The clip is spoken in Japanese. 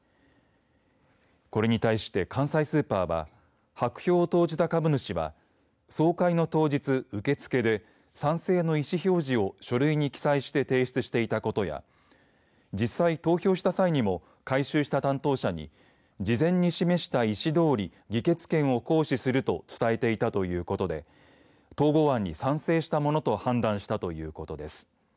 これに対して関西スーパーは白票を投じた株主は総会の当日、受け付けで賛成の意思表示を書類に記載して提出していたことや実際、投票した際にも回収した担当者に事前に示した意思どおり議決権を行使すると伝えていたということで統合案に賛成したものと判断したということです。